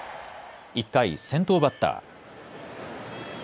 １回、先頭バッター。